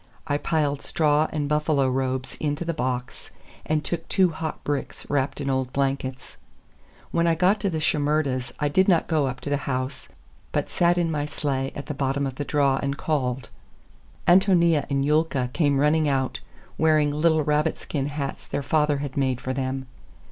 I piled straw and buffalo robes into the box, and took two hot bricks wrapped in old blankets. When I got to the Shimerdas' I did not go up to the house, but sat in my sleigh at the bottom of the draw and called. Ántonia and Yulka came running out, wearing little rabbit skin hats their father had made for them.